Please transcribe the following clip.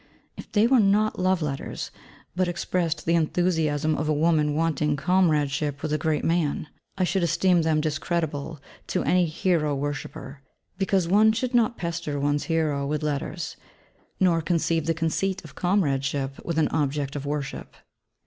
If they were not love letters, but expressed the enthusiasm of a woman wanting comradeship with a great man, I should esteem them discreditable to any hero worshipper. Because one should not pester one's hero with letters, nor conceive the conceit of comradeship with an object of worship.